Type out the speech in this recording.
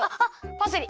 パセリ。